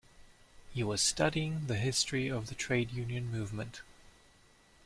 He was studying the history of the trade union movement